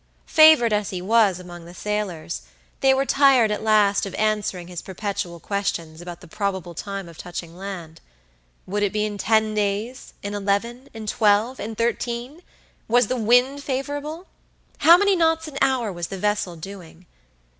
Favorite as he was among the sailors, they were tired at last of answering his perpetual questions about the probable time of touching land. Would it be in ten days, in eleven, in twelve, in thirteen? Was the wind favorable? How many knots an hour was the vessel doing?